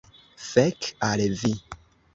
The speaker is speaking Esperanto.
Fek al vi!